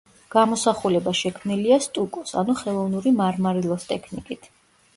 გამოსახულება შექმნილია სტუკოს, ანუ ხელოვნური მარმარილოს ტექნიკით.